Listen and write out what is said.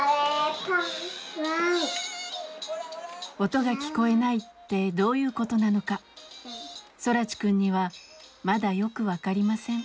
音が聞こえないってどういうことなのか空知くんにはまだよく分かりません。